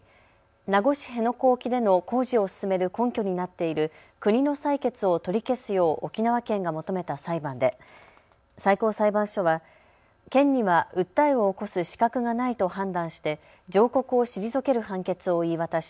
名護市辺野古沖での工事を進める根拠になっている国の裁決を取り消すよう沖縄県が求めた裁判で最高裁判所は県には訴えを起こす資格がないと判断して上告を退ける判決を言い渡し